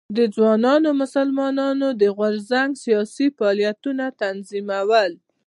د ځوانو مسلمانانو د غورځنګ سیاسي فعالیتونه تنظیمول.